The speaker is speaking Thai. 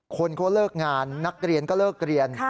คนเขาเลิกงานนักเรียนก็เลิกเรียน